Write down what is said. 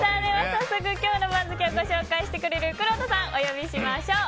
早速、今日の番付を紹介してくれるくろうとさんをお呼びしましょう。